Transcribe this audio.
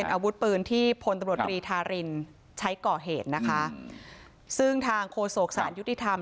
เป็นอาวุธปืนที่พลตรศรีทารินใช้ก่อเหตุนะฮะซึ่งทางโคศกศาลยุติธรรม